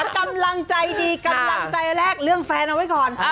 กำลังใจดีกำลังใจแรกเรื่องแฟนเอาไว้ก่อน